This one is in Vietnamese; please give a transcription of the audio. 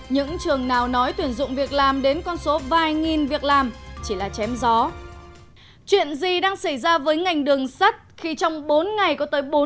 những trường nào nói tuyển dụng việc làm đến con số vài nghìn việc làm chỉ là chém gió